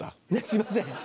すいません